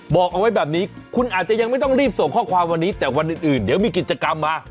บอกเอาไว้แบบนี้คุณอาจจะยังไม่ต้องรีบส่งข้อความวันนี้แต่วันอื่นเดี๋ยวมีกิจกรรมมา